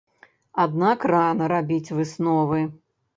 Аднак рана рабіць высновы.